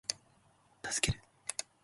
助ける